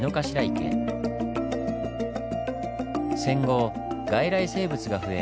戦後外来生物が増え